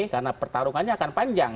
karena pertarungannya akan panjang